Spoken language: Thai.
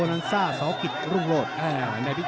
ในอาธิกา๑๒๔ปอนด์